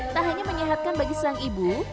tak hanya menyehatkan bagi sang ibu